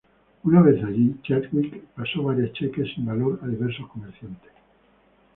Una vez allí, Chadwick pasó varios cheques sin valor a diversos comerciantes.